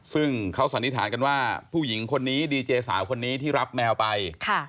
ซึ่งเขาสันนิษฐานกันว่าผู้หญิงคนนี้ดีเจสาวคนนี้ที่รับแมวไป